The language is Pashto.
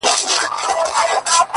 o سیاه پوسي ده؛ شپه لېونۍ ده؛